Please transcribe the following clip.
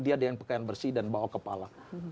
dia dengan pakaian bersih dan bawa kepala